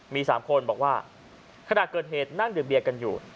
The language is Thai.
มี๓คนบอกว่าขณะเกิดเหตุนั่งดื่มเบียร์กันอยู่